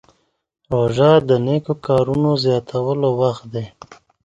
روژه د نیکو کارونو زیاتولو وخت دی.